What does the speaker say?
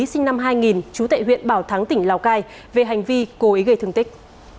sinh năm hai nghìn trú tại huyện bảo thắng tỉnh lào cai về hành vi cố ý gây thương tích